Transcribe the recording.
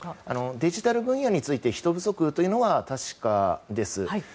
デジタル分野について人不足というのは確かです。